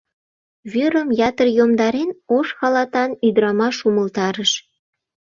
Вӱрым ятыр йомдарен, — ош халатан ӱдырамаш умылтарыш.